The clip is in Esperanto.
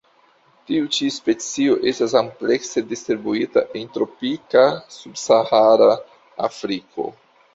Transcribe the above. Tiu ĉi specio estas amplekse distribuita en tropika subsahara Afriko.